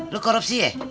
lo korupsi ya